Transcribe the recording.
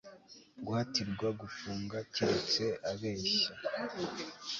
Guhatirwa gufunga keretse abeshya